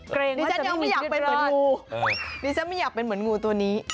เกรงว่าจะไม่มีที่เย็นเลยดิฉันยังไม่อยากเป็นเหมือนงูดิฉันไม่อยากเป็นเหมือนงูตัวนี้